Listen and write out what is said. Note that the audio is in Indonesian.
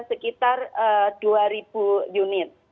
sekitar dua unit